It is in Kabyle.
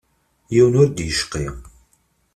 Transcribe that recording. Yiwen ur d-yecqi.